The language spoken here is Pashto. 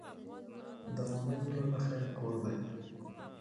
د مؤمن زړه د خیر کور دی.